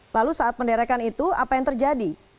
lalu saat penderakan itu apa yang terjadi